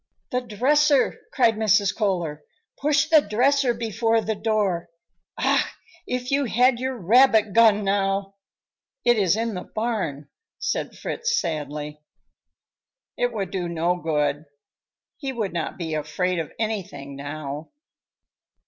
"The dresser," cried Mrs. Kohler; "push the dresser before the door. Ach, if you had your rabbit gun, now!" "It is in the barn," said Fritz sadly. "It would do no good; he would not be afraid of anything now.